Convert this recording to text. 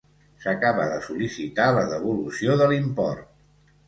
S'acaba de sol·licitar la devolució de l'import.